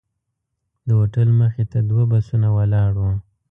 د هوټل مخې ته دوه بسونه ولاړ وو.